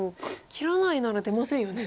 切らないなら出ませんよね。